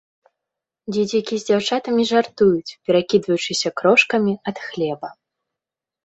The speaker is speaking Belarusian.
Дзецюкі з дзяўчатамі жартуюць, перакідваючыся крошкамі ад хлеба.